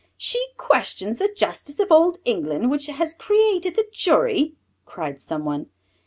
"She questions the justice of old England which has created the jury!" cried some one.